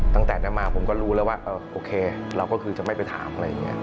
ตั้งแต่นั้นมาผมก็รู้แล้วว่าโอเคเราก็คือจะไม่ไปถามอะไรอย่างนี้